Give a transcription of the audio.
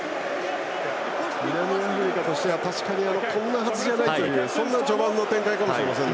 南アフリカとしては確かにこんなはずじゃないという序盤の展開かもしれませんね。